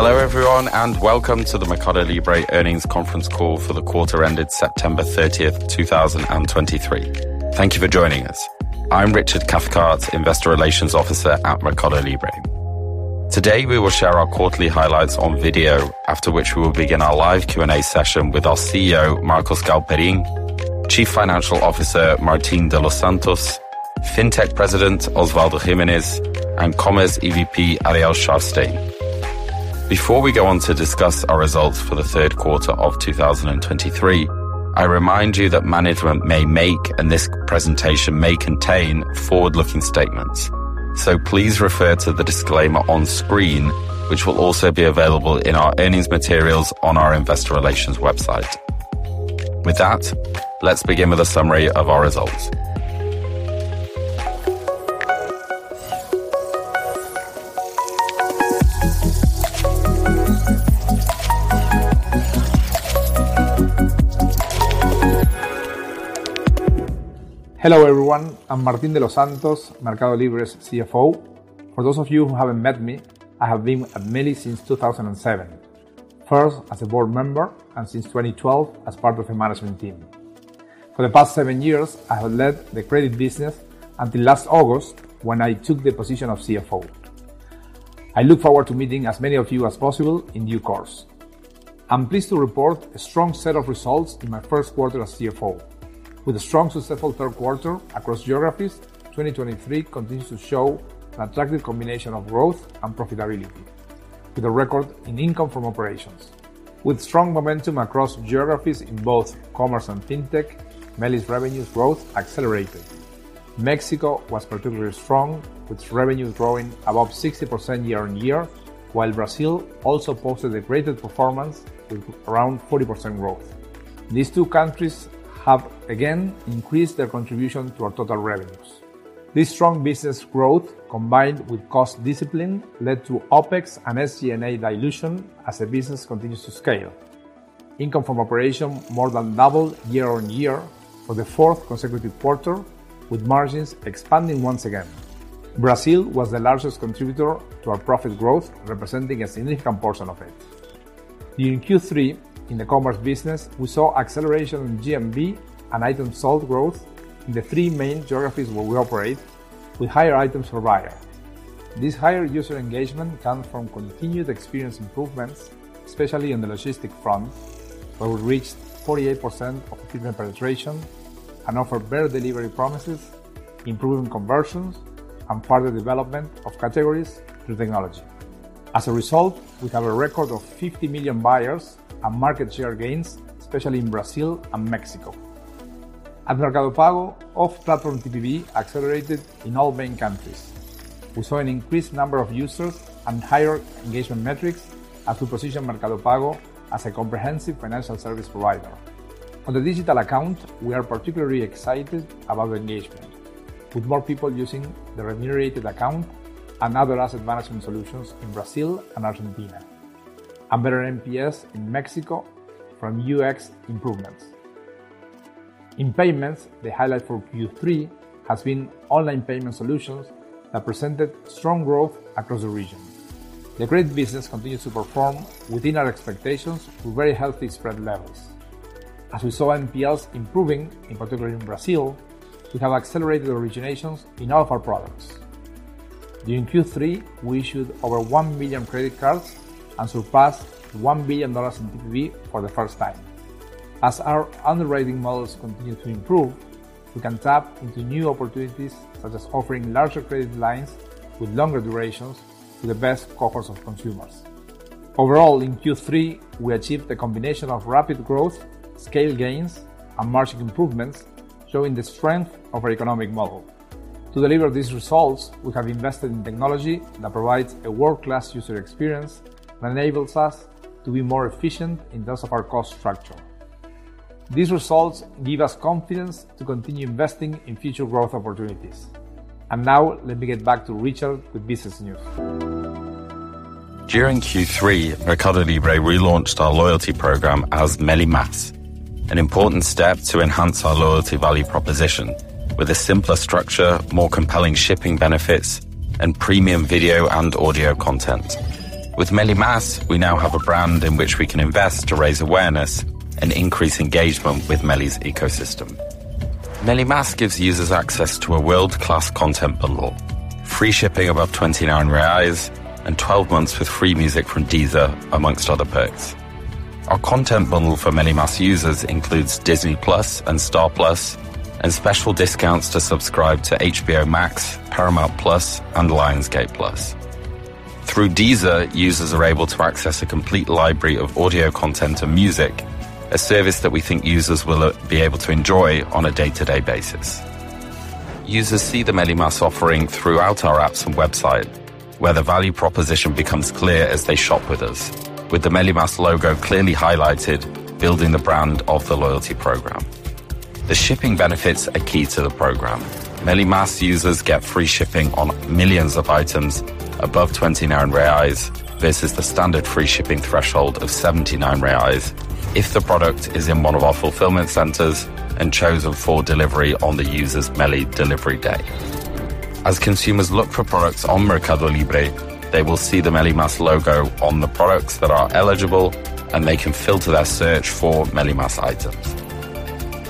Hello, everyone, and welcome to the Mercado Libre Earnings Conference Call for the quarter ended September 30, 2023. Thank you for joining us. I'm Richard Cathcart, Investor Relations Officer at Mercado Libre. Today, we will share our quarterly highlights on video, after which we will begin our live Q&A session with our CEO, Marcos Galperín, Chief Financial Officer, Martín de los Santos, Fintech President, Osvaldo Giménez, and Commerce EVP, Ariel Szarfsztejn. Before we go on to discuss our results for the third quarter of 2023, I remind you that management may make, and this presentation may contain, forward-looking statements. So please refer to the disclaimer on screen, which will also be available in our earnings materials on our investor relations website. With that, let's begin with a summary of our results. Hello, everyone. I'm Martín de los Santos, Mercado Libre's CFO. For those of you who haven't met me, I have been at MELI since 2007. First, as a board member, and since 2012, as part of the management team. For the past seven years, I have led the credit business until last August, when I took the position of CFO. I look forward to meeting as many of you as possible in due course. I'm pleased to report a strong set of results in my first quarter as CFO. With a strong, successful third quarter across geographies, 2023 continues to show an attractive combination of growth and profitability, with a record in income from operations. With strong momentum across geographies in both commerce and fintech, MELI's revenues growth accelerated. Mexico was particularly strong, with revenues growing above 60% year-on-year, while Brazil also posted a greater performance with around 40% growth. These two countries have again increased their contribution to our total revenues. This strong business growth, combined with cost discipline, led to OPEX and SG&A dilution as the business continues to scale. Income from operations more than doubled year-on-year for the fourth consecutive quarter, with margins expanding once again. Brazil was the largest contributor to our profit growth, representing a significant portion of it. During Q3, in the commerce business, we saw acceleration in GMV and item sold growth in the three main geographies where we operate, with higher item supplier. This higher user engagement comes from continued experience improvements, especially on the logistics front, where we reached 48% of treatment penetration and offer better delivery promises, improving conversions and further development of categories through technology. As a result, we have a record of 50 million buyers and market share gains, especially in Brazil and Mexico. At Mercado Pago, off-platform TPV accelerated in all main countries. We saw an increased number of users and higher engagement metrics as we position Mercado Pago as a comprehensive financial service provider. On the digital account, we are particularly excited about the engagement, with more people using the remunerated account and other asset management solutions in Brazil and Argentina, and better NPS in Mexico from UX improvements. In payments, the highlight for Q3 has been online payment solutions that presented strong growth across the region. The great business continues to perform within our expectations to very healthy spread levels. As we saw NPLs improving, in particular in Brazil, we have accelerated the originations in all of our products. During Q3, we issued over 1 million credit cards and surpassed $1 billion in TPV for the first time. As our underwriting models continue to improve, we can tap into new opportunities, such as offering larger credit lines with longer durations to the best cohorts of consumers. Overall, in Q3, we achieved a combination of rapid growth, scale gains, and margin improvements, showing the strength of our economic model. To deliver these results, we have invested in technology that provides a world-class user experience that enables us to be more efficient in those of our cost structure. These results give us confidence to continue investing in future growth opportunities. Now, let me get back to Richard with business news. During Q3, Mercado Libre relaunched our loyalty program as Meli+, an important step to enhance our loyalty value proposition with a simpler structure, more compelling shipping benefits, and premium video and audio content. With Meli+, we now have a brand in which we can invest to raise awareness and increase engagement with MELI's ecosystem. Meli+ gives users access to a world-class content bundle, free shipping above 29 reais, and 12 months with free music from Deezer, among other perks. Our content bundle for Meli+ users includes Disney+ and Star+, and special discounts to subscribe to HBO Max, Paramount+, and Lionsgate+. Through Deezer, users are able to access a complete library of audio content and music, a service that we think users will be able to enjoy on a day-to-day basis. Users see the Meli+ offering throughout our apps and website, where the value proposition becomes clear as they shop with us, with the Meli+ logo clearly highlighted, building the brand of the loyalty program. The shipping benefits are key to the program. Meli+ users get free shipping on millions of items above 29 reais. This is the standard free shipping threshold of 79 reais if the product is in one of our fulfillment centers and chosen for delivery on the user's Meli Delivery Day. As consumers look for products on Mercado Libre, they will see the Meli+ logo on the products that are eligible, and they can filter their search for Meli+ items.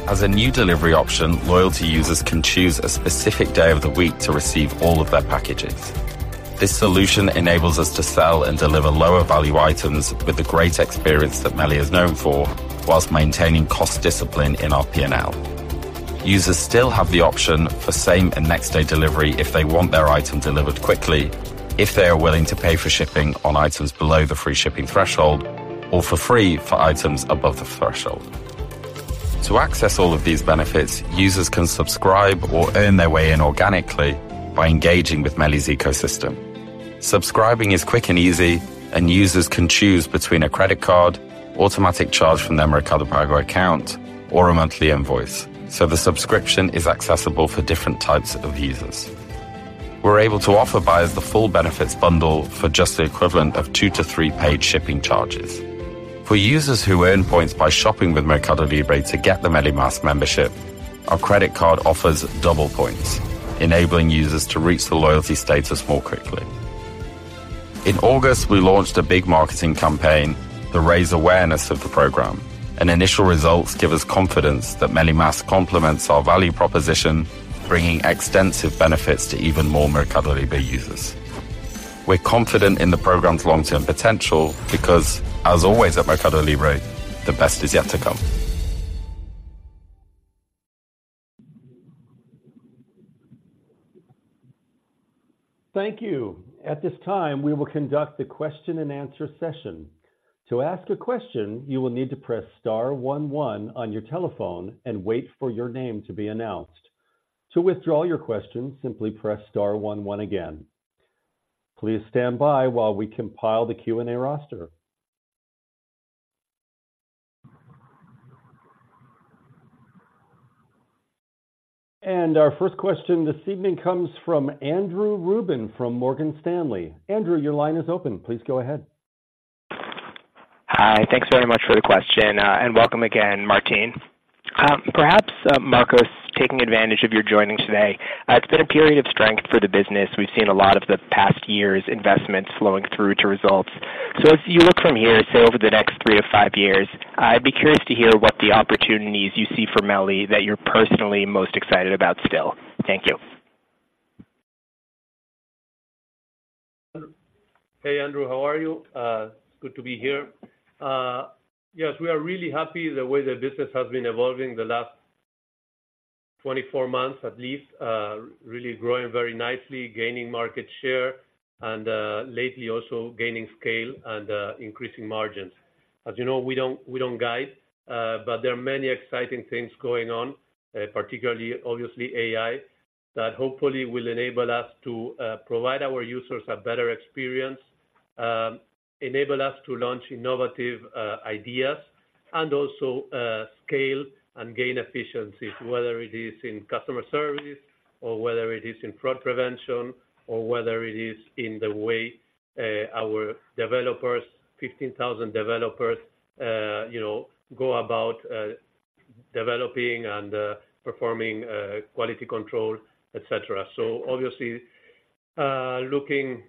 As a new delivery option, loyalty users can choose a specific day of the week to receive all of their packages. This solution enables us to sell and deliver lower value items with the great experience that Meli is known for, while maintaining cost discipline in our PNL. Users still have the option for same and next day delivery if they want their item delivered quickly, if they are willing to pay for shipping on items below the free shipping threshold, or for free for items above the threshold. To access all of these benefits, users can subscribe or earn their way in organically by engaging with Meli's ecosystem. Subscribing is quick and easy, and users can choose between a credit card, automatic charge from their Mercado Pago account, or a monthly invoice, so the subscription is accessible for different types of users. We're able to offer buyers the full benefits bundle for just the equivalent of two-three paid shipping charges. For users who earn points by shopping with Mercado Libre to get the Meli+ membership, our credit card offers double points, enabling users to reach the loyalty status more quickly. In August, we launched a big marketing campaign to raise awareness of the program, and initial results give us confidence that Meli+ complements our value proposition, bringing extensive benefits to even more Mercado Libre users. We're confident in the program's long-term potential because, as always, at Mercado Libre, the best is yet to come. Thank you. At this time, we will conduct a question and answer session. To ask a question, you will need to press star one one on your telephone and wait for your name to be announced. To withdraw your question, simply press star one one again. Please stand by while we compile the Q&A roster. Our first question this evening comes from Andrew Ruben from Morgan Stanley. Andrew, your line is open. Please go ahead. Hi, thanks very much for the question, and welcome again, Martin. Perhaps, Marcos, taking advantage of your joining today, it's been a period of strength for the business. We've seen a lot of the past years' investments flowing through to results. So as you look from here, say, over the next three to five years, I'd be curious to hear what the opportunities you see for Meli that you're personally most excited about still. Thank you. Hey, Andrew. How are you? It's good to be here. Yes, we are really happy the way the business has been evolving the last 24 months, at least, really growing very nicely, gaining market share and, lately also gaining scale and, increasing margins. As you know, we don't, we don't guide, but there are many exciting things going on, particularly obviously AI, that hopefully will enable us to provide our users a better experience, enable us to launch innovative ideas, and also, scale and gain efficiencies, whether it is in customer service or whether it is in fraud prevention or whether it is in the way, our developers, 15,000 developers, you know, go about developing and performing quality control, et cetera. Obviously, looking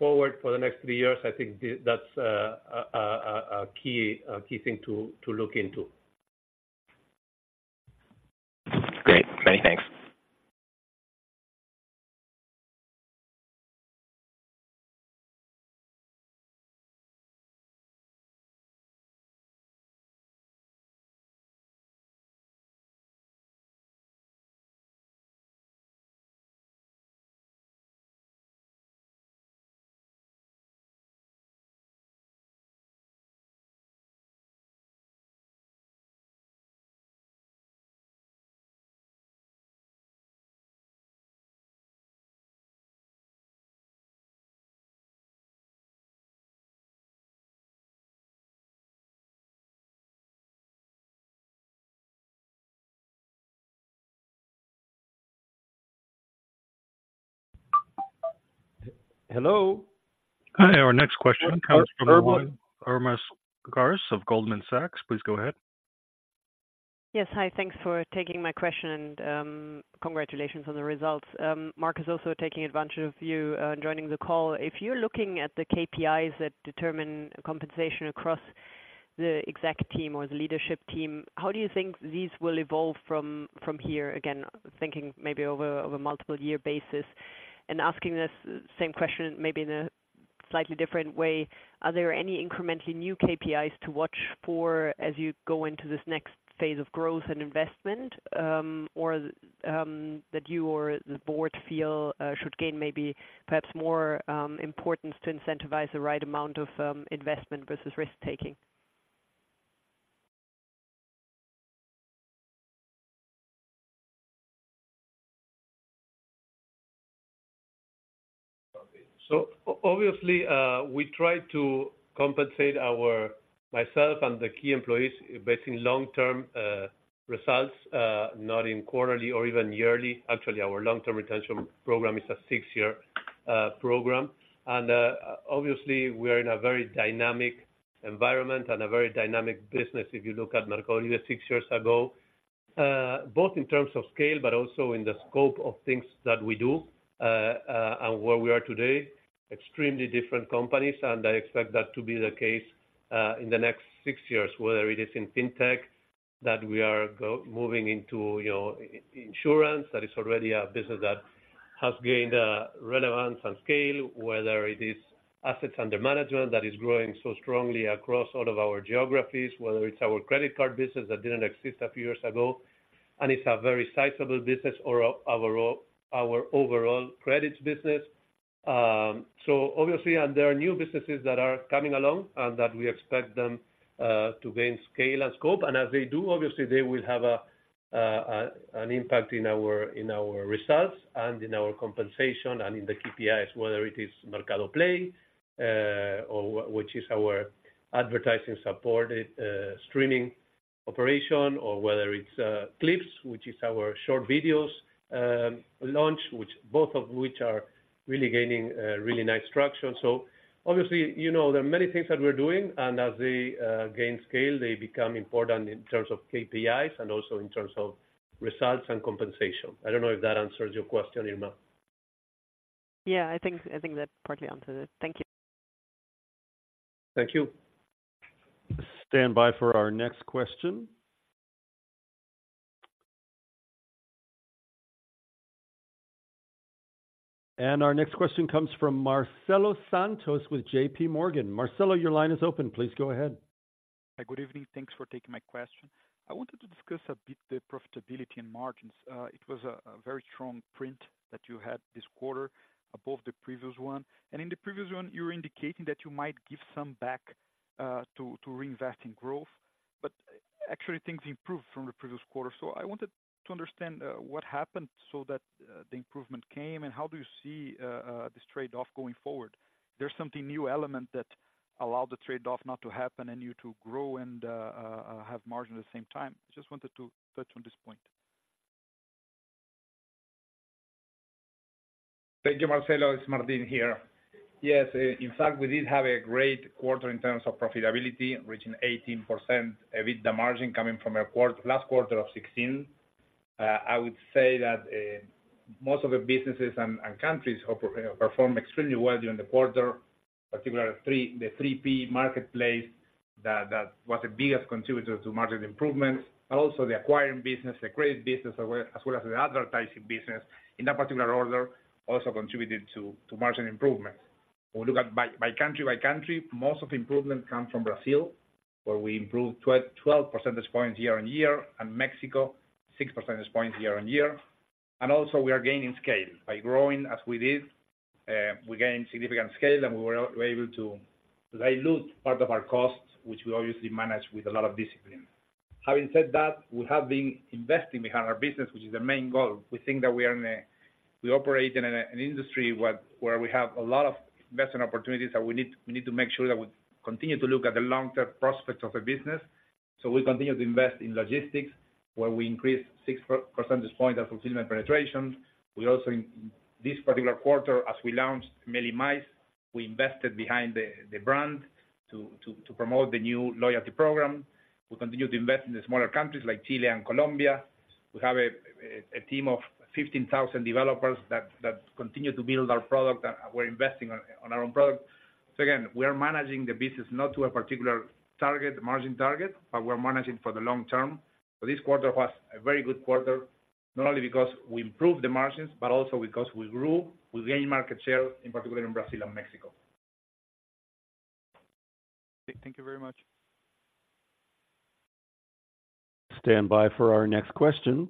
forward for the next three years, I think that's a key thing to look into. Great. Many thanks. Hello? Hi, our next question comes from- Hello. Irma Sgarz of Goldman Sachs. Please go ahead. Yes. Hi, thanks for taking my question, and congratulations on the results. Marcos, also taking advantage of you joining the call. If you're looking at the KPIs that determine compensation across the exec team or the leadership team, how do you think these will evolve from here? Again, thinking maybe over a multiple year basis. And asking this same question, maybe in a slightly different way, are there any incrementally new KPIs to watch for as you go into this next phase of growth and investment, or that you or the board feel should gain maybe perhaps more importance to incentivize the right amount of investment versus risk-taking? So obviously, we try to compensate our... myself and the key employees based in long-term results, not in quarterly or even yearly. Actually, our long-term retention program is a six-year program. And obviously, we are in a very dynamic-... environment and a very dynamic business. If you look at Mercado six years ago, both in terms of scale, but also in the scope of things that we do, and where we are today, extremely different companies, and I expect that to be the case in the next six years. Whether it is in fintech that we are moving into, you know, insurance, that is already a business that has gained relevance and scale, whether it is assets under management that is growing so strongly across all of our geographies, whether it's our credit card business that didn't exist a few years ago, and it's a very sizable business or our overall credits business. So obviously, and there are new businesses that are coming along, and that we expect them to gain scale and scope. And as they do, obviously, they will have an impact in our results and in our compensation and in the KPIs, whether it is Mercado Play, or which is our advertising-supported streaming operation, or whether it's Clips, which is our short videos launch, which both of which are really gaining really nice traction. So obviously, you know, there are many things that we're doing, and as they gain scale, they become important in terms of KPIs and also in terms of results and compensation. I don't know if that answers your question, Irma. Yeah, I think, I think that partly answers it. Thank you. Thank you. Stand by for our next question. Our next question comes from Marcelo Santos with J.P. Morgan. Marcelo, your line is open. Please go ahead. Hi, good evening. Thanks for taking my question. I wanted to discuss a bit the profitability and margins. It was a very strong print that you had this quarter above the previous one. And in the previous one, you were indicating that you might give some back to reinvest in growth, but actually things improved from the previous quarter. So I wanted to understand what happened so that the improvement came, and how do you see this trade-off going forward? There's something new element that allowed the trade-off not to happen and you to grow and have margin at the same time. I just wanted to touch on this point. Thank you, Marcelo. It's Martin here. Yes, in fact, we did have a great quarter in terms of profitability, reaching 18% EBITDA margin coming from a last quarter of 16%. I would say that most of the businesses and countries performed extremely well during the quarter, particularly the 3P marketplace, that was the biggest contributor to margin improvements, but also the acquiring business, the credit business, as well as the advertising business, in that particular order, also contributed to margin improvements. When we look at by country, most of the improvement came from Brazil, where we improved 12 percentage points year-on-year, and Mexico, 6 percentage points year-on-year. Also, we are gaining scale. By growing as we did, we gained significant scale, and we were able to dilute part of our costs, which we obviously managed with a lot of discipline. Having said that, we have been investing behind our business, which is the main goal. We think that we are in a-- We operate in an industry where we have a lot of investment opportunities, and we need to make sure that we continue to look at the long-term prospects of a business. So we continue to invest in logistics, where we increased six percentage points of fulfillment penetration. We also, in this particular quarter, as we launched Meli Miles, we invested behind the brand to promote the new loyalty program. We continue to invest in the smaller countries like Chile and Colombia. We have a team of 15,000 developers that continue to build our product, and we're investing on our own product. So again, we are managing the business, not to a particular target, margin target, but we're managing for the long term. So this quarter was a very good quarter, not only because we improved the margins, but also because we grew, we gained market share, in particular in Brazil and Mexico. Thank you very much. Stand by for our next question.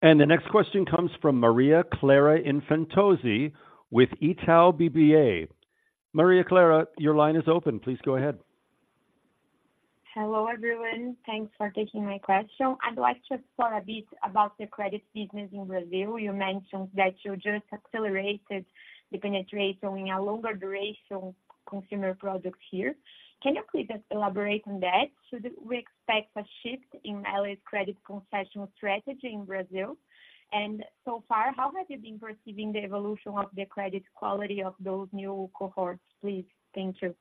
The next question comes from Maria Clara Infantozzi with Itaú BBA. Maria Clara, your line is open. Please go ahead. Hello, everyone. Thanks for taking my question. I'd like to talk a bit about the credit business in Brazil. You mentioned that you just accelerated the penetration in a longer duration consumer product here. Can you please elaborate on that? Should we expect a shift in LA's credit concession strategy in Brazil? And so far, how have you been perceiving the evolution of the credit quality of those new cohorts, please? Thank you.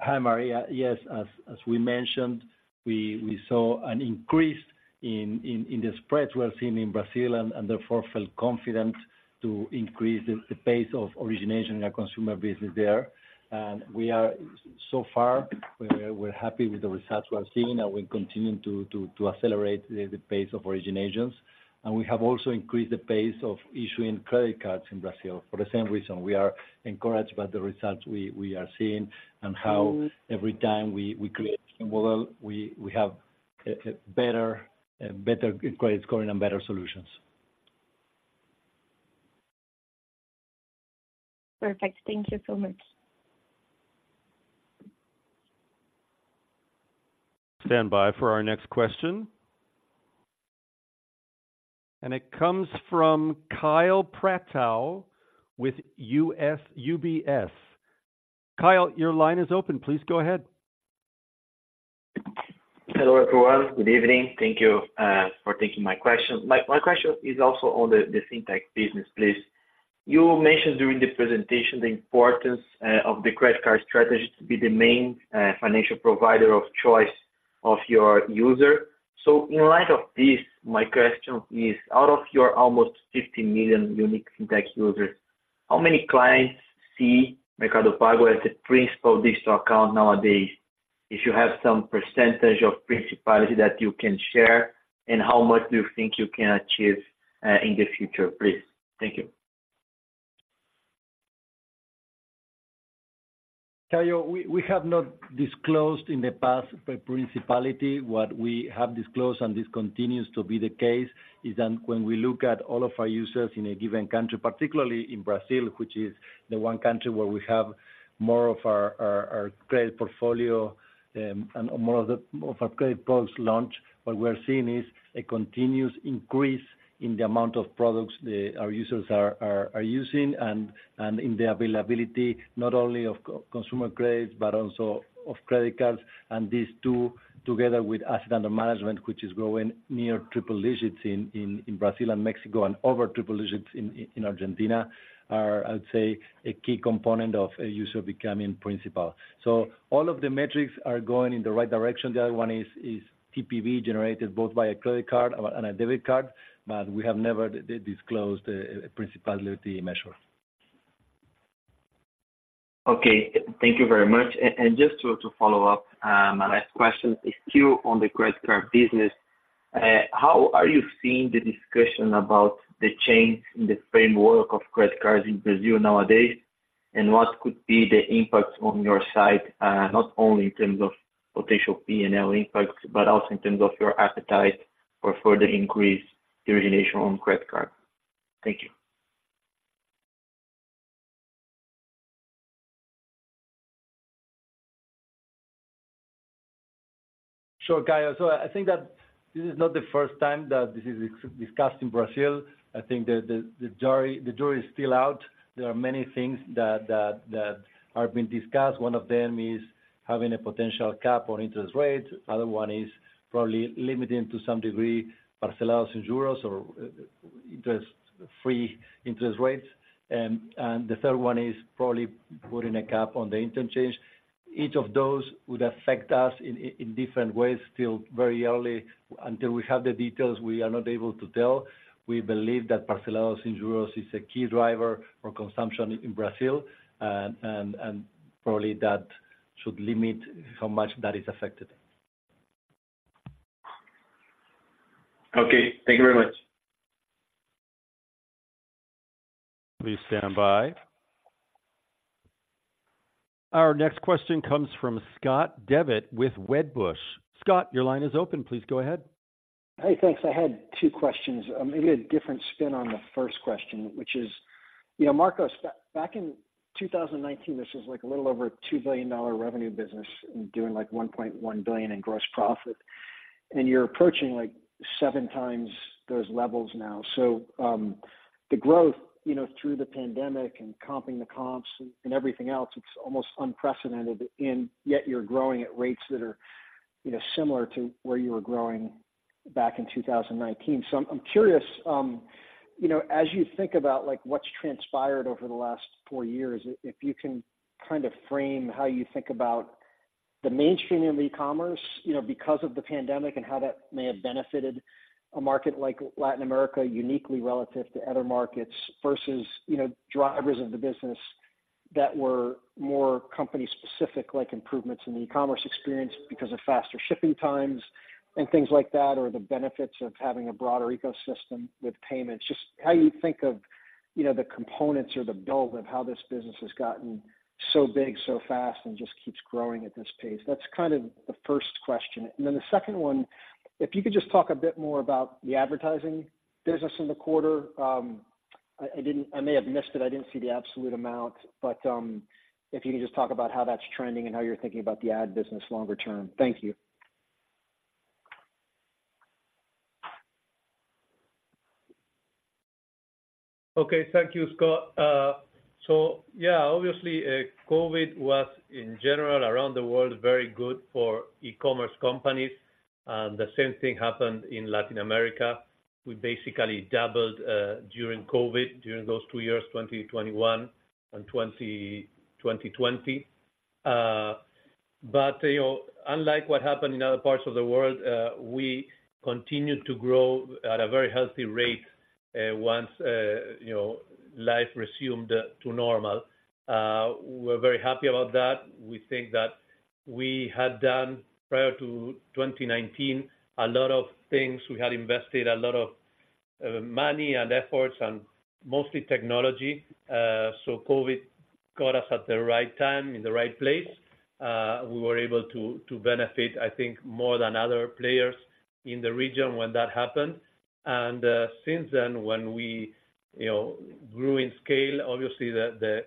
Hi, Maria. Yes, as we mentioned, we saw an increase in the spreads we are seeing in Brazil and therefore felt confident to increase the pace of origination in our consumer business there. So far, we're happy with the results we are seeing, and we're continuing to accelerate the pace of originations. We have also increased the pace of issuing credit cards in Brazil. For the same reason, we are encouraged by the results we are seeing and how every time we create a model, we have a better credit scoring and better solutions. Perfect. Thank you so much. Stand by for our next question. It comes from Kaio Prato with UBS. Kaio, your line is open. Please go ahead.... Hello, everyone. Good evening. Thank you for taking my question. My question is also on the fintech business, please. You mentioned during the presentation the importance of the credit card strategy to be the main financial provider of choice of your user. So in light of this, my question is, out of your almost 50 million unique fintech users, how many clients see Mercado Pago as a principal digital account nowadays? If you have some percentage of principality that you can share, and how much do you think you can achieve in the future, please? Thank you. Caio, we have not disclosed in the past the principality. What we have disclosed, and this continues to be the case, is that when we look at all of our users in a given country, particularly in Brazil, which is the one country where we have more of our credit portfolio and more of our credit post-launch, what we're seeing is a continuous increase in the amount of products our users are using, and in the availability, not only of co-consumer grades, but also of credit cards. These two, together with asset under management, which is growing near triple digits in Brazil and Mexico, and over triple digits in Argentina, are, I'd say, a key component of a user becoming principal. All of the metrics are going in the right direction. The other one is TPV, generated both by a credit card and a debit card, but we have never disclosed a principal measure. Okay, thank you very much. And just to follow up, my last question is still on the credit card business. How are you seeing the discussion about the change in the framework of credit cards in Brazil nowadays? And what could be the impact on your side, not only in terms of potential PNL impacts, but also in terms of your appetite for further increase the origination on credit card? Thank you. Sure, Kaio. So I think that this is not the first time that this is discussed in Brazil. I think that the jury is still out. There are many things that are being discussed. One of them is having a potential cap on interest rates. Other one is probably limiting to some degree parcelas sem juros or interest-free interest rates. And the third one is probably putting a cap on the interchange. Each of those would affect us in different ways. Still very early. Until we have the details, we are not able to tell. We believe that parcelas sem juros is a key driver for consumption in Brazil, and probably that should limit how much that is affected. Okay. Thank you very much. Please stand by. Our next question comes from Scott Devitt with Wedbush. Scott, your line is open. Please go ahead. Hey, thanks. I had two questions, maybe a different spin on the first question, which is: You know, Marcos, back in 2019, this was like a little over $2 billion revenue business and doing, like, $1.1 billion in gross profit, and you're approaching, like, 7x those levels now. So, the growth, you know, through the pandemic and comping the comps and everything else, it's almost unprecedented, and yet you're growing at rates that are, you know, similar to where you were growing back in 2019. So I'm curious, you know, as you think about, like, what's transpired over the last four years, if you can kind of frame how you think about the mainstreaming of e-commerce, you know, because of the pandemic and how that may have benefited a market like Latin America uniquely relative to other markets versus, you know, drivers of the business that were more company specific, like improvements in the e-commerce experience because of faster shipping times and things like that, or the benefits of having a broader ecosystem with payments. Just how you think of, you know, the components or the build of how this business has gotten so big, so fast and just keeps growing at this pace? That's kind of the first question. And then the second one, if you could just talk a bit more about the advertising business in the quarter. I may have missed it. I didn't see the absolute amount, but if you can just talk about how that's trending and how you're thinking about the ad business longer term? Thank you. Okay. Thank you, Scott. So yeah, obviously, COVID was, in general, around the world, very good for e-commerce companies, and the same thing happened in Latin America. We basically doubled during COVID, during those two years, 2021 and 2020. But, you know, unlike what happened in other parts of the world, we continued to grow at a very healthy rate, once you know life resumed to normal. We're very happy about that. We think that we had done, prior to 2019, a lot of things. We had invested a lot of money and efforts and mostly technology. So COVID caught us at the right time, in the right place. We were able to to benefit, I think, more than other players in the region when that happened. And, since then, when we, you know, grew in scale, obviously, the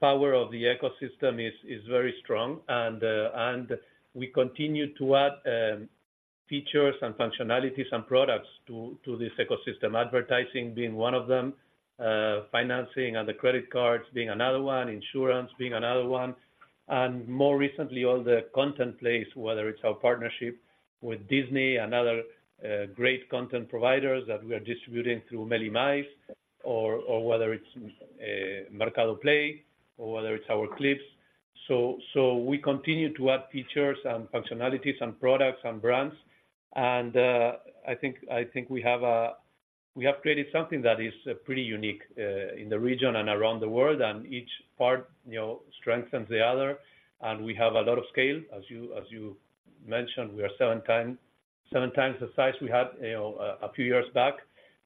power of the ecosystem is very strong. And, and we continue to add features and functionalities and products to this ecosystem, advertising being one of them, financing and the credit cards being another one, insurance being another one, and more recently, all the content plays, whether it's our partnership with Disney and other great content providers that we are distributing through Meli+, or whether it's Mercado Play, or whether it's our clips. So, we continue to add features and functionalities and products and brands, and I think we have created something that is pretty unique in the region and around the world, and each part, you know, strengthens the other. We have a lot of scale. As you mentioned, we are 7x the size we had, you know, a few years back.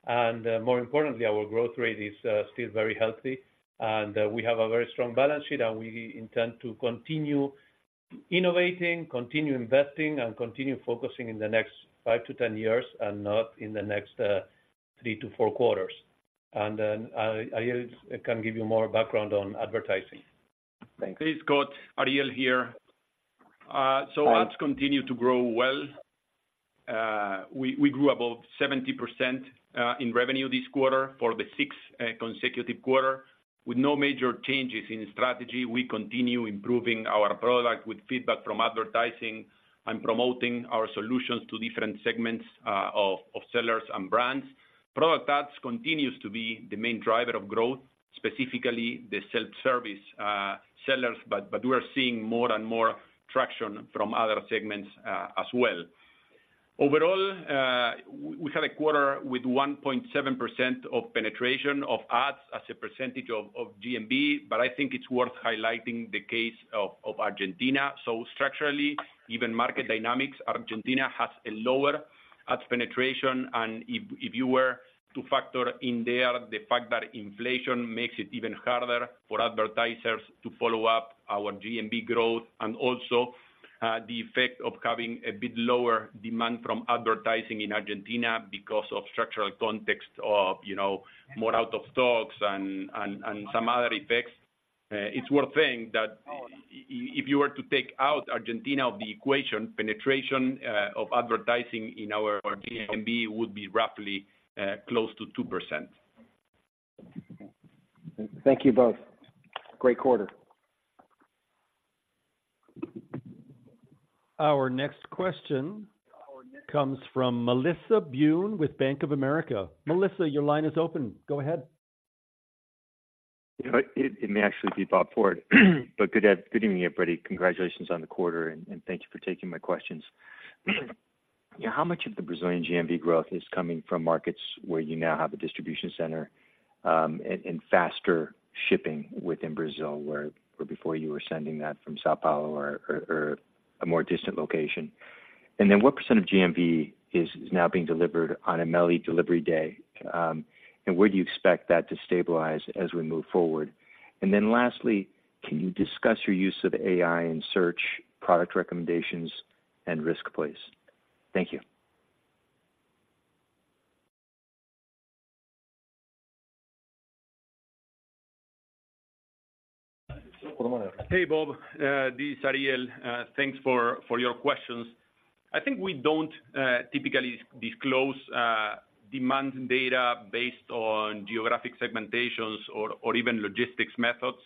More importantly, our growth rate is still very healthy, and we have a very strong balance sheet, and we intend to continue innovating, continue investing, and continue focusing in the next five-10 10 years, and not in the next, you know, three to four quarters. Then, Ariel can give you more background on advertising. Thank you. Please, Scott. Ariel here. Hi... ads continue to grow well. We grew above 70% in revenue this quarter for the sixth consecutive quarter, with no major changes in strategy. We continue improving our product with feedback from advertising and promoting our solutions to different segments of sellers and brands. Product ads continues to be the main driver of growth, specifically the self-service sellers, but we are seeing more and more traction from other segments as well. Overall, we had a quarter with 1.7% penetration of ads as a percentage of GMV, but I think it's worth highlighting the case of Argentina. So structurally, even market dynamics, Argentina has a lower ads penetration, and if you were to factor in there the fact that inflation makes it even harder for advertisers to follow up our GMV growth, and also the effect of having a bit lower demand from advertising in Argentina because of structural context of, you know, more out-of-stocks and some other effects. It's worth saying that if you were to take out Argentina out of the equation, penetration of advertising in our GMV would be roughly close to 2%. Thank you both. Great quarter. Our next question comes from Melissa Byun with Bank of America. Melissa, your line is open. Go ahead. It may actually be Bob Ford, but good evening, everybody. Congratulations on the quarter, and thank you for taking my questions. Yeah, how much of the Brazilian GMV growth is coming from markets where you now have a distribution center, and faster shipping within Brazil, where before you were sending that from São Paulo or a more distant location? And then, what percent of GMV is now being delivered on a Meli Delivery Day? And where do you expect that to stabilize as we move forward? And then lastly, can you discuss your use of AI in search, product recommendations, and risk place? Thank you. Hey, Bob, this is Ariel. Thanks for your questions. I think we don't typically disclose demand data based on geographic segmentations or even logistics methods.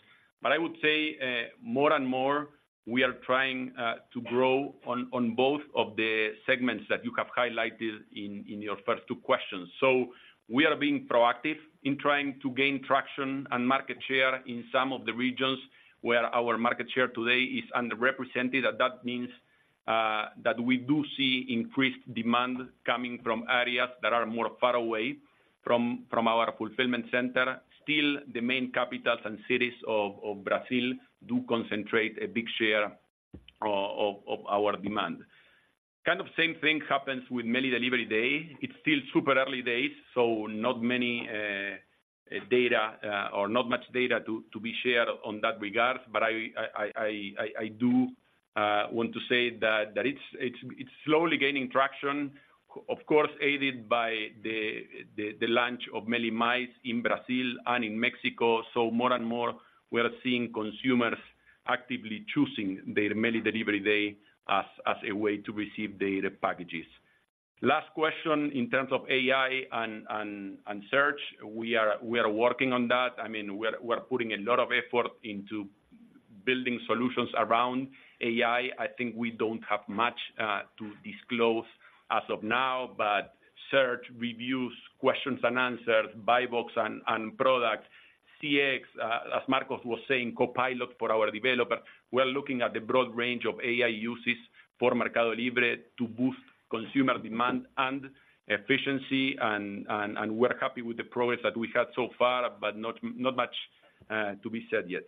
But I would say, more and more, we are trying to grow on both of the segments that you have highlighted in your first two questions. So we are being proactive in trying to gain traction and market share in some of the regions where our market share today is underrepresented, and that means that we do see increased demand coming from areas that are more far away from our fulfillment center. Still, the main capitals and cities of Brazil do concentrate a big share of our demand. Kind of same thing happens with Meli Delivery Day. It's still super early days, so not many data or not much data to be shared on that regard, but I do want to say that it's slowly gaining traction, of course, aided by the launch of Meli+ in Brazil and in Mexico. So more and more, we are seeing consumers actively choosing the Meli Delivery Day as a way to receive their packages. Last question, in terms of AI and search, we are working on that. I mean, we are putting a lot of effort into building solutions around AI. I think we don't have much to disclose as of now, but search, reviews, questions and answers, buy box and products, CX, as Marcos was saying, copilot for our developers, we are looking at the broad range of AI uses for Mercado Libre to boost consumer demand and efficiency, and we're happy with the progress that we have so far, but not much to be said yet.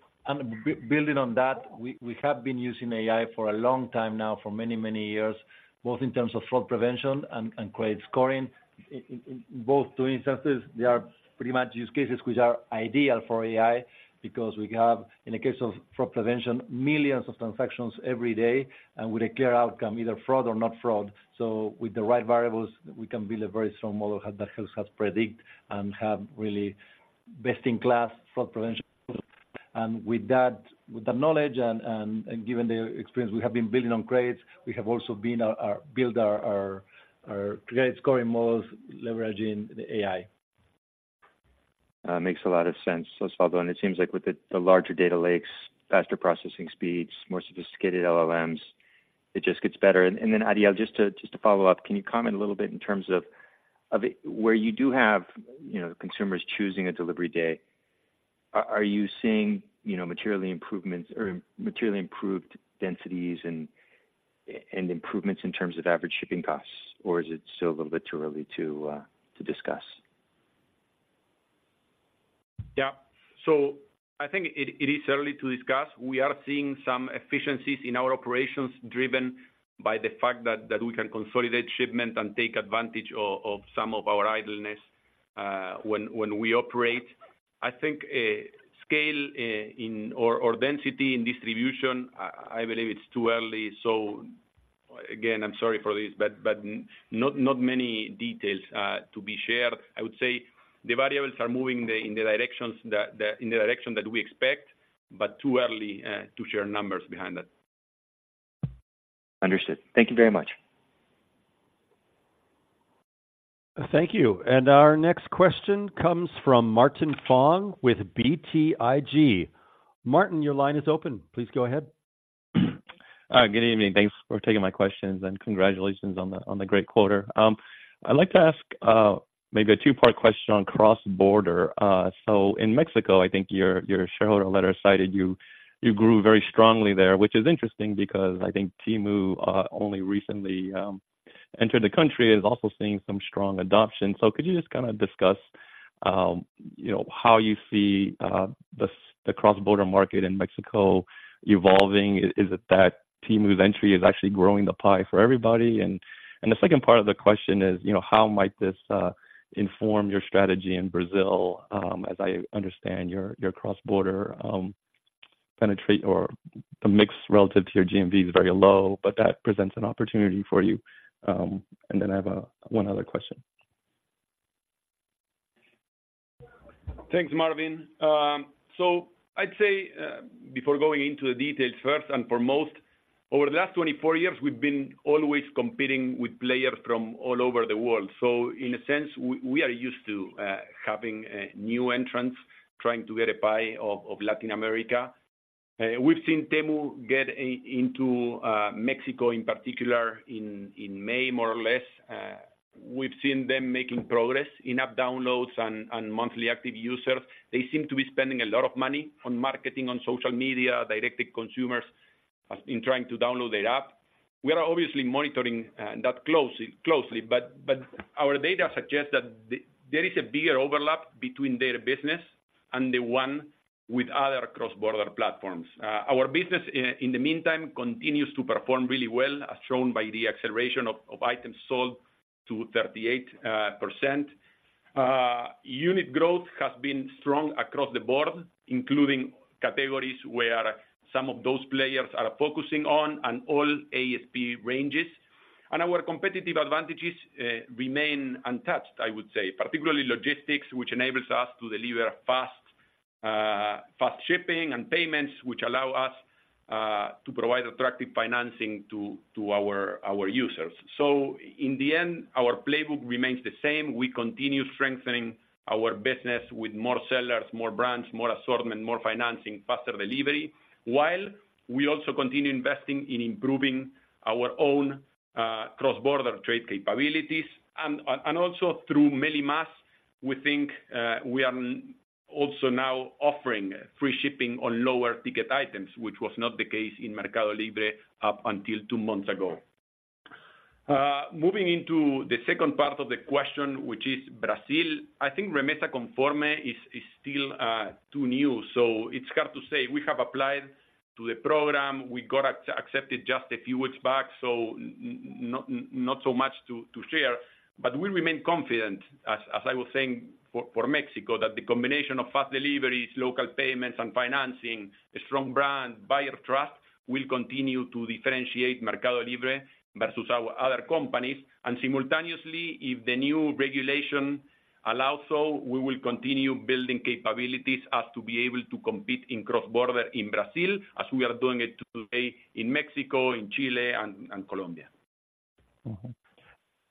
Building on that, we have been using AI for a long time now, for many, many years, both in terms of fraud prevention and credit scoring. In both two instances, they are pretty much use cases which are ideal for AI, because we have, in the case of fraud prevention, millions of transactions every day and with a clear outcome, either fraud or not fraud. So with the right variables, we can build a very strong model that helps us predict and have really-... best-in-class fraud prevention. And with that knowledge and given the experience we have been building on credits, we have also been building our credit scoring models, leveraging the AI. Makes a lot of sense, Osvaldo, and it seems like with the larger data lakes, faster processing speeds, more sophisticated LLMs, it just gets better. And then, Ariel, just to follow up, can you comment a little bit in terms of where you do have, you know, consumers choosing a delivery day, are you seeing, you know, materially improvements or materially improved densities and improvements in terms of average shipping costs, or is it still a little bit too early to discuss? Yeah. I think it is early to discuss. We are seeing some efficiencies in our operations, driven by the fact that we can consolidate shipment and take advantage of some of our idleness when we operate. I think scale or density in distribution, I believe it's too early. Again, I'm sorry for this, but not many details to be shared. I would say the variables are moving in the direction that we expect, but too early to share numbers behind that. Understood. Thank you very much. Thank you. Our next question comes from Marvin Fong with BTIG. Marvin, your line is open. Please go ahead. Good evening. Thanks for taking my questions, and congratulations on the, on the great quarter. I'd like to ask, maybe a two-part question on cross-border. So in Mexico, I think your, your shareholder letter cited you, you grew very strongly there, which is interesting because I think Temu, only recently, entered the country, is also seeing some strong adoption. So could you just kind of discuss, you know, how you see, the cross-border market in Mexico evolving? Is it that Temu's entry is actually growing the pie for everybody? And, the second part of the question is, you know, how might this, inform your strategy in Brazil? As I understand your, your cross-border, penetration or the mix relative to your GMV is very low, but that presents an opportunity for you. And then I have one other question. Thanks, Martín. So I'd say, before going into the details first and foremost, over the last 24 years, we've been always competing with players from all over the world. So in a sense, we are used to having new entrants trying to get a pie of Latin America. We've seen Temu get into Mexico in particular, in May, more or less. We've seen them making progress in app downloads and monthly active users. They seem to be spending a lot of money on marketing, on social media, directing consumers in trying to download their app. We are obviously monitoring that closely, but our data suggests that there is a bigger overlap between their business and the one with other cross-border platforms. Our business in the meantime continues to perform really well, as shown by the acceleration of items sold to 38%. Unit growth has been strong across the board, including categories where some of those players are focusing on and all ASP ranges. And our competitive advantages remain untouched, I would say, particularly logistics, which enables us to deliver fast shipping and payments, which allow us to provide attractive financing to our users. So in the end, our playbook remains the same. We continue strengthening our business with more sellers, more brands, more assortment, more financing, faster delivery, while we also continue investing in improving our own cross-border trade capabilities. Also through Meli+, we think, we are also now offering free shipping on lower ticket items, which was not the case in Mercado Libre up until two months ago. Moving into the second part of the question, which is Brazil, I think Remessa Conforme is still too new, so it's hard to say. We have applied to the program. We got accepted just a few weeks back, so not so much to share, but we remain confident, as I was saying, for Mexico, that the combination of fast deliveries, local payments and financing, a strong brand, buyer trust, will continue to differentiate Mercado Libre versus our other companies. Simultaneously, if the new regulation allows, so we will continue building capabilities as to be able to compete in cross-border in Brazil as we are doing it today in Mexico, in Chile, and Colombia. Mm-hmm.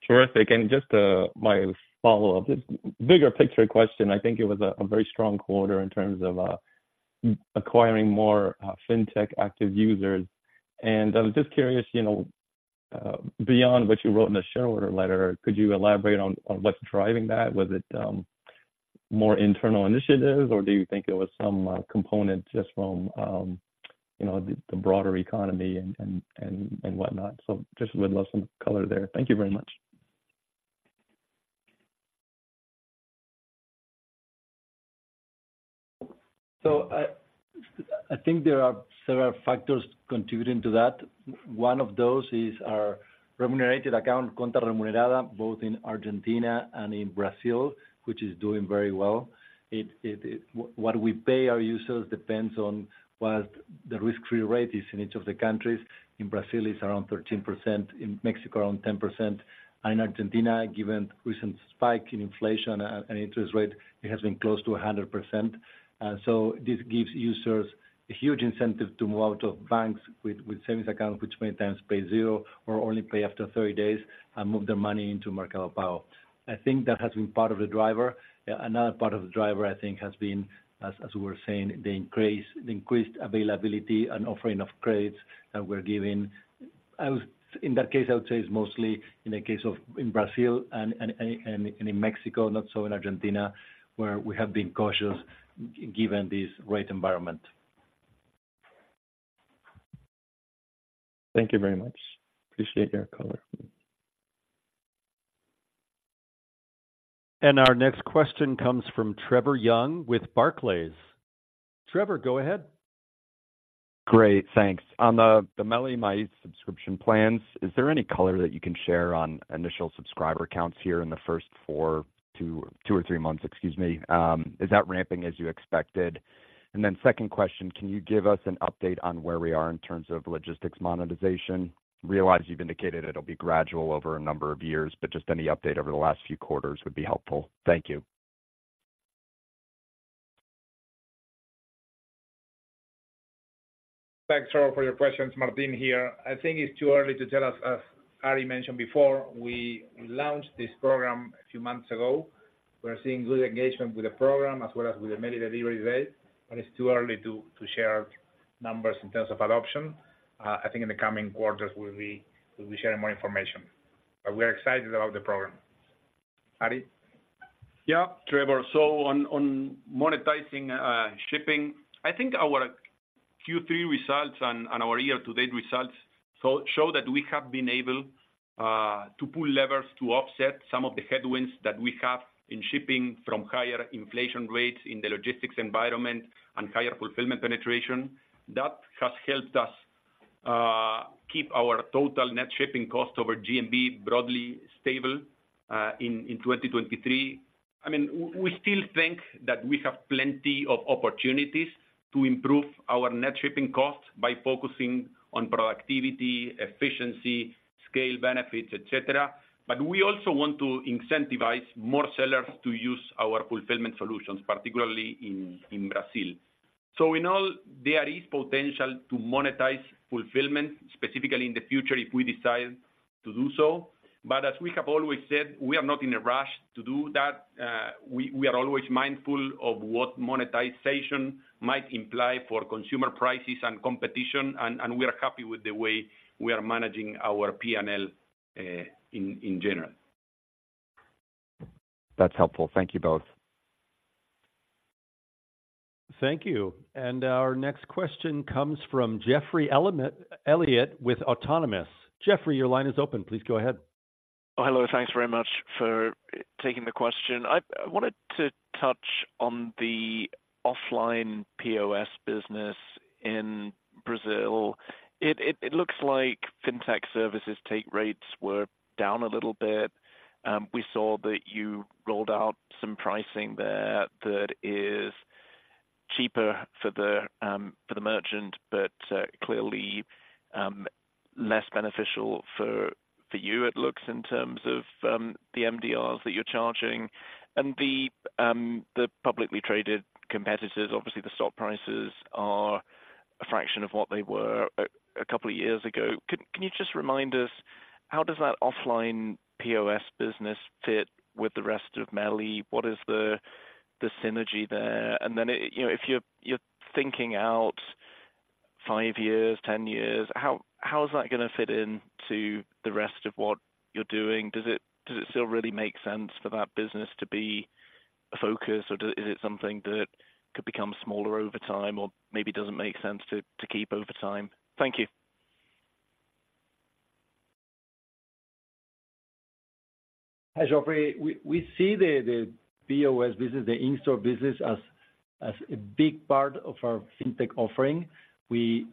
Terrific. And just, my follow-up, just bigger picture question. I think it was a very strong quarter in terms of, acquiring more, fintech active users. And I was just curious, you know, beyond what you wrote in the shareholder letter, could you elaborate on what's driving that? Was it, more internal initiatives, or do you think it was some, component just from, you know, the broader economy and whatnot? So just would love some color there. Thank you very much. ...So I think there are several factors contributing to that. One of those is our remunerated account, conta remunerada, both in Argentina and in Brazil, which is doing very well. What we pay our users depends on what the risk-free rate is in each of the countries. In Brazil, it's around 13%, in Mexico, around 10%, and in Argentina, given recent spike in inflation and interest rate, it has been close to 100%. So this gives users a huge incentive to move out of banks with savings accounts, which many times pay zero or only pay after 30 days and move their money into Mercado Pago. I think that has been part of the driver. Another part of the driver, I think, has been, as we were saying, the increase, the increased availability and offering of credits that we're giving. In that case, I would say it's mostly in the case of Brazil and in Mexico, not so in Argentina, where we have been cautious given this rate environment. Thank you very much. Appreciate your color. Our next question comes from Trevor Young with Barclays. Trevor, go ahead. Great, thanks. On the Meli+ subscription plans, is there any color that you can share on initial subscriber counts here in the first two or three months, excuse me. Is that ramping as you expected? And then second question, can you give us an update on where we are in terms of logistics monetization? Realize you've indicated it'll be gradual over a number of years, but just any update over the last few quarters would be helpful. Thank you. Thanks, Trevor, for your questions. Martín here. I think it's too early to tell, as Ari mentioned before, we launched this program a few months ago. We're seeing good engagement with the program as well as with the Meli Delivery Day, but it's too early to share numbers in terms of adoption. I think in the coming quarters, we'll be sharing more information. But we are excited about the program. Ari? Yeah, Trevor. So on monetizing shipping, I think our Q3 results and our year-to-date results show that we have been able to pull levers to offset some of the headwinds that we have in shipping from higher inflation rates in the logistics environment and higher fulfillment penetration. That has helped us keep our total net shipping cost over GMB broadly stable in 2023. I mean, we still think that we have plenty of opportunities to improve our net shipping costs by focusing on productivity, efficiency, scale benefits, et cetera. But we also want to incentivize more sellers to use our fulfillment solutions, particularly in Brazil. So in all, there is potential to monetize fulfillment, specifically in the future, if we decide to do so. But as we have always said, we are not in a rush to do that. We are always mindful of what monetization might imply for consumer prices and competition, and we are happy with the way we are managing our PNL, in general. That's helpful. Thank you both. Thank you. Our next question comes from Geoffrey Elliott, with Autonomous. Geoffrey, your line is open. Please go ahead. Hello, thanks very much for taking the question. I wanted to touch on the offline POS business in Brazil. It looks like FinTech services take rates were down a little bit. We saw that you rolled out some pricing there that is cheaper for the merchant, but clearly less beneficial for you, it looks, in terms of the MDRs that you're charging. And the publicly traded competitors, obviously the stock prices are a fraction of what they were a couple of years ago. Can you just remind us, how does that offline POS business fit with the rest of Meli? What is the synergy there? And then, you know, if you're thinking out five years, ten years, how is that going to fit in to the rest of what you're doing? Does it still really make sense for that business to be a focus, or is it something that could become smaller over time or maybe doesn't make sense to keep over time? Thank you. Hi, Jeffrey. We see the POS business, the in-store business, as a big part of our FinTech offering. We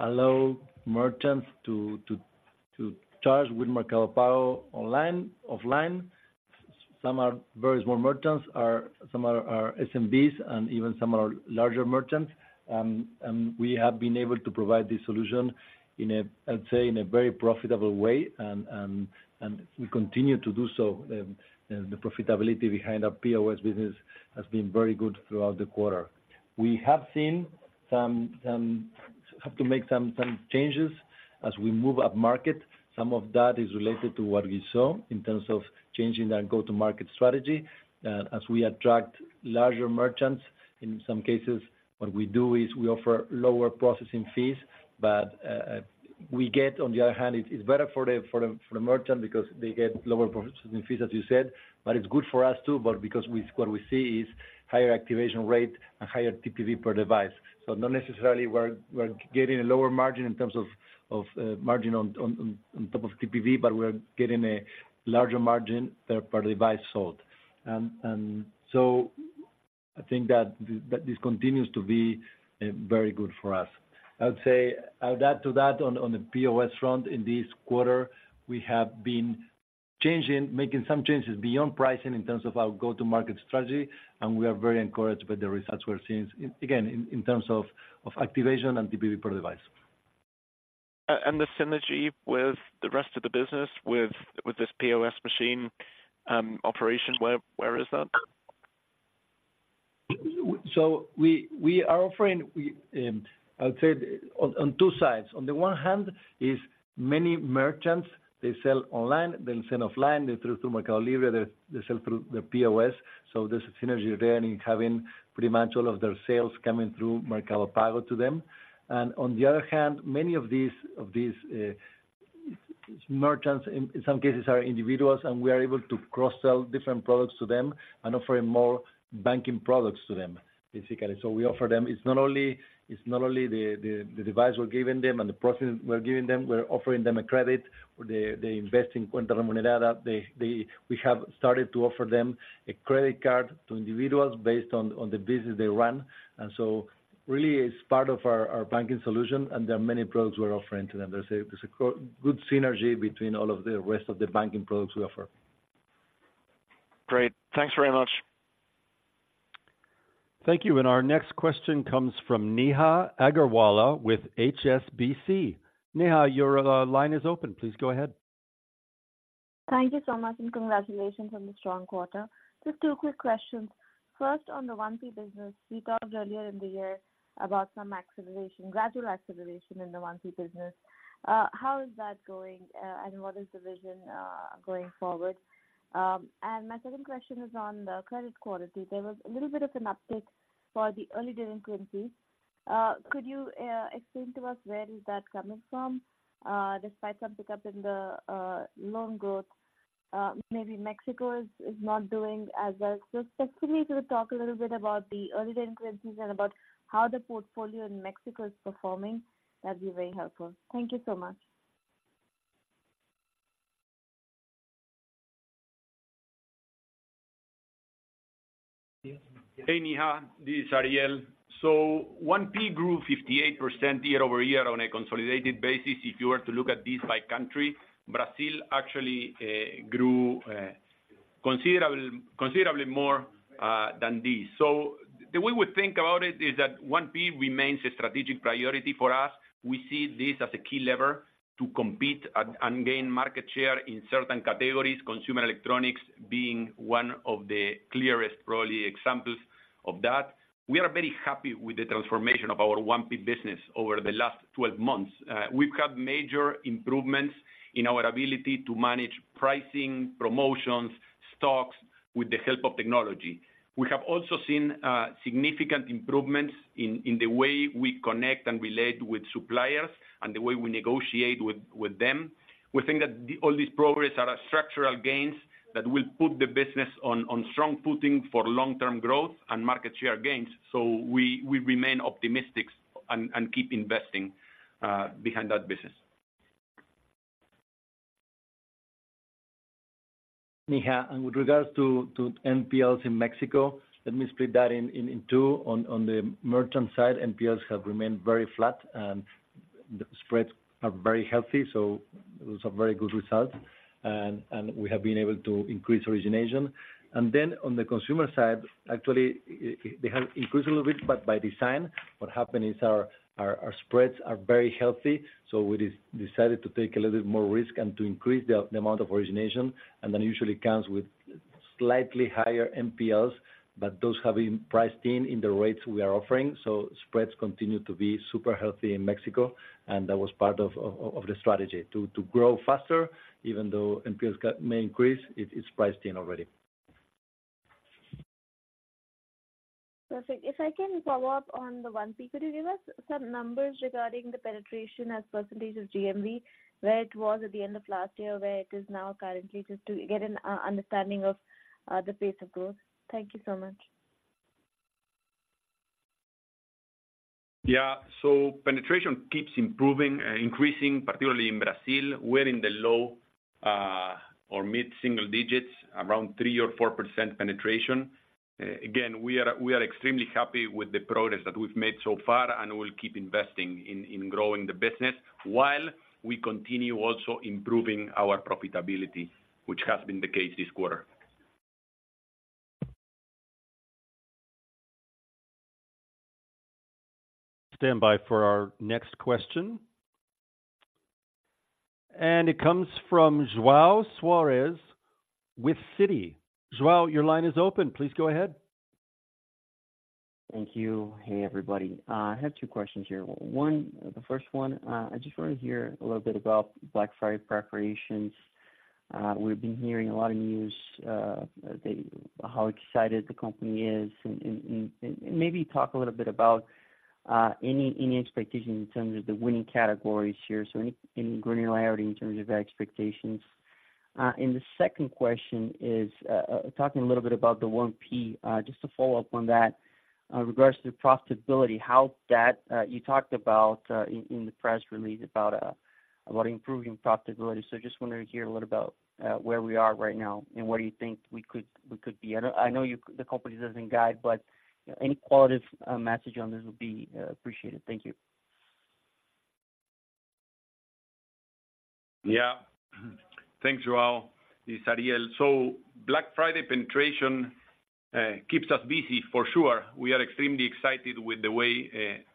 allow merchants to charge with Mercado Pago online, offline. Some are very small merchants, some are SMBs, and even some are larger merchants. And we have been able to provide this solution in a, I'd say, in a very profitable way, and we continue to do so. The profitability behind our POS business has been very good throughout the quarter. We have seen some have to make some changes as we move up market. Some of that is related to what we saw in terms of changing our go-to-market strategy. As we attract larger merchants, in some cases, what we do is we offer lower processing fees. But, on the other hand, it's better for the merchant because they get lower processing fees, as you said, but it's good for us, too, because what we see is higher activation rate and higher TPV per device. So not necessarily we're getting a lower margin in terms of margin on top of TPV, but we're getting a larger margin per device sold. And so- ... I think that, that this continues to be very good for us. I would say, I would add to that on, on the POS front, in this quarter, we have been changing, making some changes beyond pricing in terms of our go-to-market strategy, and we are very encouraged by the results we're seeing, again, in, in terms of, of activation and TPV per device. The synergy with the rest of the business, with this POS machine operation, where is that? So we are offering. I would say on two sides. On the one hand, there are many merchants. They sell online, they sell offline, they through to Mercado Libre, they sell through the POS. So there's a synergy there in having pretty much all of their sales coming through Mercado Pago to them. And on the other hand, many of these merchants, in some cases are individuals, and we are able to cross-sell different products to them and offering more banking products to them, basically. So we offer them. It's not only the device we're giving them and the process we're giving them. We're offering them a credit, or they invest in Cuenta Monedero. They—we have started to offer them a credit card to individuals based on the business they run. And so really it's part of our banking solution, and there are many products we're offering to them. There's a good synergy between all of the rest of the banking products we offer. Great. Thanks very much. Thank you, and our next question comes from Neha Agarwala with HSBC. Neha, your line is open. Please go ahead. Thank you so much, and congratulations on the strong quarter. Just two quick questions. First, on the 1P business, we talked earlier in the year about some acceleration, gradual acceleration in the 1P business. How is that going, and what is the vision going forward? And my second question is on the credit quality. There was a little bit of an uptick for the early delinquencies. Could you explain to us where is that coming from, despite some pickup in the loan growth? Maybe Mexico is not doing as well. So specifically to talk a little bit about the early delinquencies and about how the portfolio in Mexico is performing, that'd be very helpful. Thank you so much. Hey, Neha, this is Ariel. So 1P grew 58% year-over-year on a consolidated basis. If you were to look at this by country, Brazil actually grew considerably more than this. So the way we think about it is that 1P remains a strategic priority for us. We see this as a key lever to compete and gain market share in certain categories, consumer electronics being one of the clearest, probably, examples of that. We are very happy with the transformation of our 1P business over the last 12 months. We've had major improvements in our ability to manage pricing, promotions, stocks, with the help of technology. We have also seen significant improvements in the way we connect and relate with suppliers and the way we negotiate with them. We think that all these progress are structural gains that will put the business on strong footing for long-term growth and market share gains. So we remain optimistic and keep investing behind that business. Neha, with regards to NPLs in Mexico, let me split that in two. On the merchant side, NPLs have remained very flat, and the spreads are very healthy, so those are very good results. And we have been able to increase origination. And then on the consumer side, actually, they have increased a little bit, but by design, what happened is our spreads are very healthy, so we decided to take a little bit more risk and to increase the amount of origination, and that usually comes with slightly higher NPLs, but those have been priced in in the rates we are offering. So spreads continue to be super healthy in Mexico, and that was part of the strategy to grow faster. Even though NPLs may increase, it is priced in already. Perfect. If I can follow up on the 1P, could you give us some numbers regarding the penetration as percentage of GMV, where it was at the end of last year, where it is now currently, just to get an understanding of the pace of growth? Thank you so much. Yeah. So penetration keeps improving, increasing, particularly in Brazil. We're in the low or mid-single digits, around 3% or 4% penetration. Again, we are extremely happy with the progress that we've made so far and will keep investing in growing the business while we continue also improving our profitability, which has been the case this quarter. Stand by for our next question. It comes from João Soares with Citi. João, your line is open. Please go ahead. Thank you. Hey, everybody. I have two questions here. One, the first one, I just want to hear a little bit about Black Friday preparations. We've been hearing a lot of news that how excited the company is and maybe talk a little bit about any expectations in terms of the winning categories here, so any granularity in terms of expectations. And the second question is talking a little bit about the 1P, just to follow up on that.... In regards to the profitability, how you talked about in the press release about improving profitability. So just wanted to hear a little about where we are right now and where you think we could be. I know the company doesn't guide, but any qualitative message on this would be appreciated. Thank you. Yeah. Thanks, João. It's Ariel. So Black Friday penetration keeps us busy for sure. We are extremely excited with the way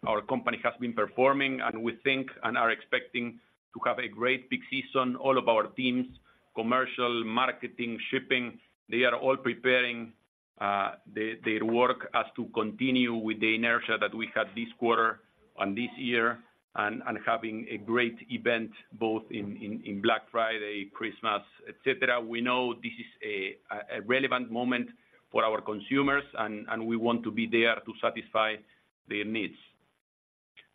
our company has been performing, and we think and are expecting to have a great peak season. All of our teams, commercial, marketing, shipping, they are all preparing their work as to continue with the inertia that we had this quarter and this year and having a great event, both in Black Friday, Christmas, et cetera. We know this is a relevant moment for our consumers, and we want to be there to satisfy their needs.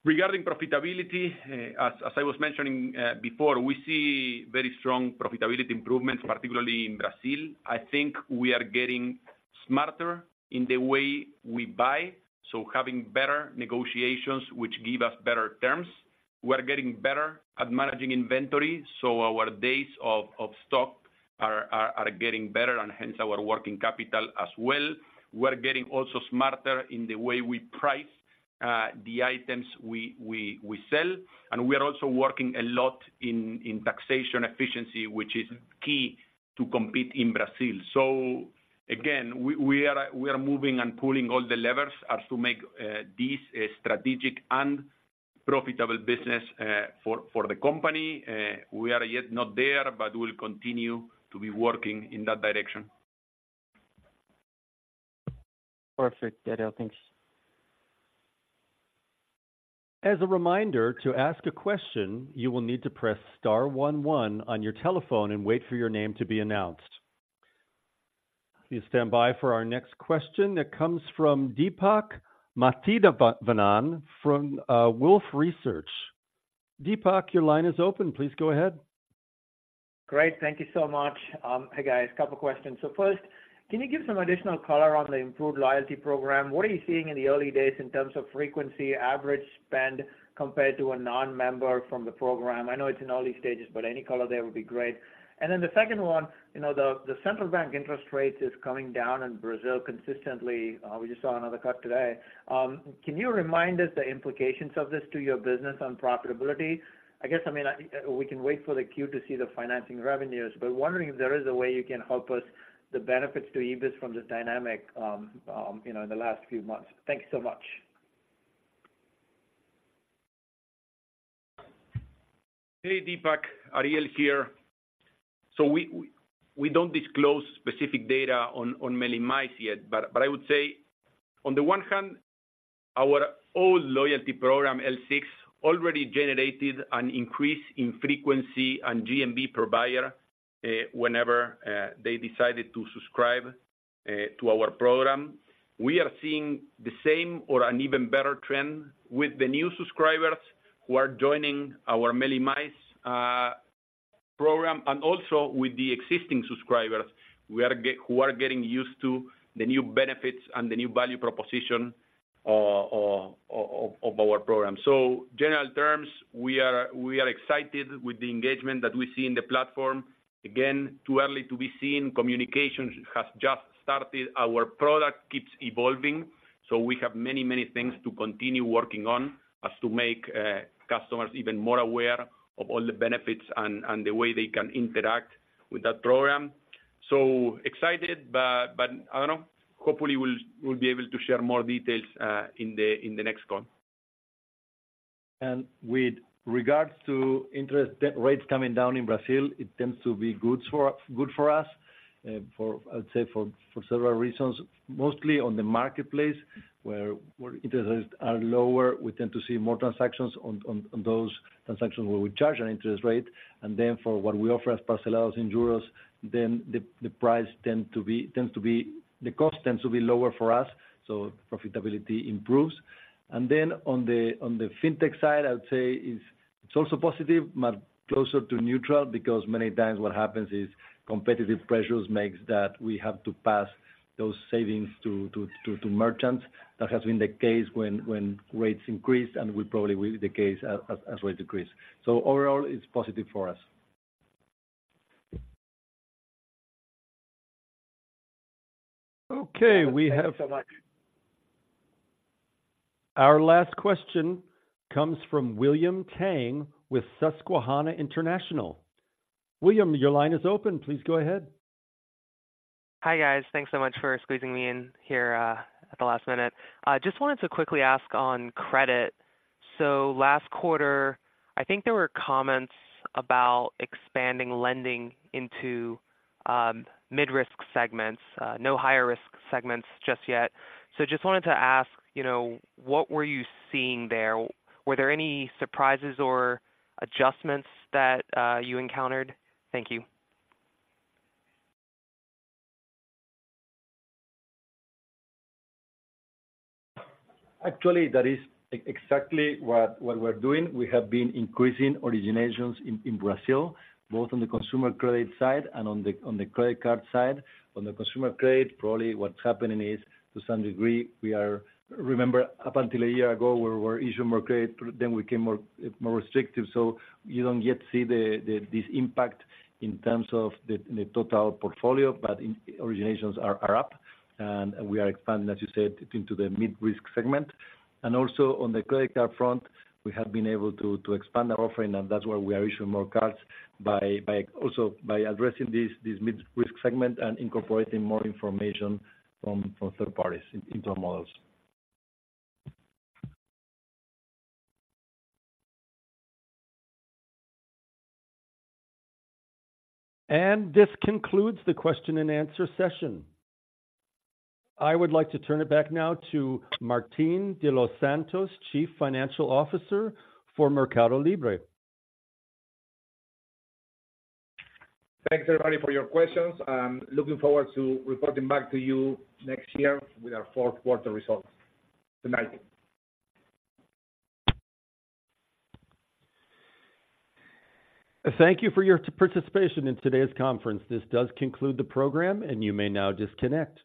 Regarding profitability, as I was mentioning before, we see very strong profitability improvements, particularly in Brazil. I think we are getting smarter in the way we buy, so having better negotiations, which give us better terms. We are getting better at managing inventory, so our days of stock are getting better and hence our working capital as well. We are getting also smarter in the way we price the items we sell, and we are also working a lot in taxation efficiency, which is key to compete in Brazil. So again, we are moving and pulling all the levers as to make this a strategic and profitable business for the company. We are yet not there, but we'll continue to be working in that direction. Perfect, Ariel. Thanks. As a reminder, to ask a question, you will need to press star one one on your telephone and wait for your name to be announced. Please stand by for our next question that comes from Deepak Mathivanan from Wolfe Research. Deepak, your line is open. Please go ahead. Great. Thank you so much. Hi, guys, couple questions. So first, can you give some additional color on the improved loyalty program? What are you seeing in the early days in terms of frequency, average spend, compared to a non-member from the program? I know it's in early stages, but any color there would be great. And then the second one, you know, the central bank interest rate is coming down in Brazil consistently. We just saw another cut today. Can you remind us the implications of this to your business on profitability? I guess, I mean, we can wait for the queue to see the financing revenues, but wondering if there is a way you can help us, the benefits to EBITDA from this dynamic, you know, in the last few months. Thanks so much. Hey, Deepak, Ariel here. So we don't disclose specific data on Meli+ yet, but I would say, on the one hand, our old loyalty program, L6, already generated an increase in frequency and GMV per buyer whenever they decided to subscribe to our program. We are seeing the same or an even better trend with the new subscribers who are joining our Meli+ program, and also with the existing subscribers who are getting used to the new benefits and the new value proposition of our program. So general terms, we are excited with the engagement that we see in the platform. Again, too early to be seen. Communication has just started. Our product keeps evolving, so we have many, many things to continue working on as to make customers even more aware of all the benefits and, and the way they can interact with that program. So excited, but, but I don't know. Hopefully, we'll, we'll be able to share more details in the next call. And with regards to interest rates coming down in Brazil, it tends to be good for, good for us, for, I would say, for, for several reasons. Mostly on the marketplace, where, where interest rates are lower, we tend to see more transactions on those transactions where we charge an interest rate. And then for what we offer as parcelers in euros, then the, the price tend to be, tends to be. The cost tends to be lower for us, so profitability improves. And then on the, on the fintech side, I would say, is it's also positive, but closer to neutral, because many times what happens is competitive pressures makes that we have to pass those savings to merchants. That has been the case when rates increase, and will probably be the case as rates decrease. So overall, it's positive for us. Okay, we have- Thank you so much. Our last question comes from William Tang with Susquehanna International. William, your line is open. Please go ahead. Hi, guys. Thanks so much for squeezing me in here at the last minute. I just wanted to quickly ask on credit. So last quarter, I think there were comments about expanding lending into mid-risk segments, no higher risk segments just yet. So just wanted to ask, you know, what were you seeing there? Were there any surprises or adjustments that you encountered? Thank you. Actually, that is exactly what we're doing. We have been increasing originations in Brazil, both on the consumer credit side and on the credit card side. On the consumer credit, probably what's happening is, to some degree, we are. Remember, up until a year ago, we were issuing more credit, but then we became more restrictive. So you don't yet see the this impact in terms of the total portfolio, but originations are up, and we are expanding, as you said, into the mid-risk segment. And also on the credit card front, we have been able to expand our offering, and that's why we are issuing more cards by also addressing this mid-risk segment and incorporating more information from third parties into our models. This concludes the question and answer session. I would like to turn it back now to Martín de los Santos, Chief Financial Officer for Mercado Libre. Thanks, everybody, for your questions. I'm looking forward to reporting back to you next year with our fourth quarter results. Good night. Thank you for your participation in today's conference. This does conclude the program, and you may now disconnect.